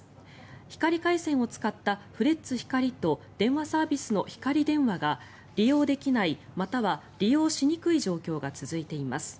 光回線を使ったフレッツ光と電話サービスのひかり電話が利用できないまたは利用しにくい状況が続いています。